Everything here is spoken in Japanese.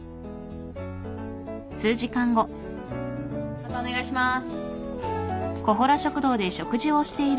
またお願いします。